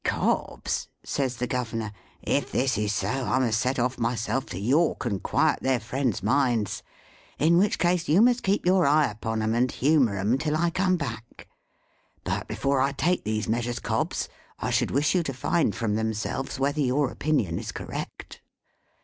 "Cobbs," says the Governor, "if this is so, I must set off myself to York, and quiet their friends' minds. In which case you must keep your eye upon 'em, and humour 'em, till I come back. But before I take these measures, Cobbs, I should wish you to find from themselves whether your opinion is correct."